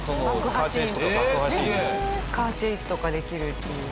カーチェイスとかできるっていう。